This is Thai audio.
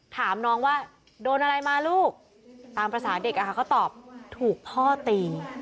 ถามน้องว่าโดนอะไรมาลูกตามภาษาเด็กเขาตอบถูกพ่อตี